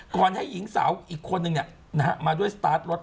คุมตัวหมาไว้